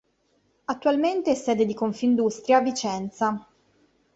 Attualmente è sede di Confindustria Vicenza.